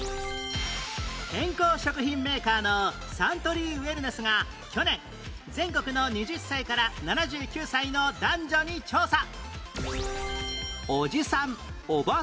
健康食品メーカーのサントリーウエルネスが去年全国の２０歳から７９歳の男女に調査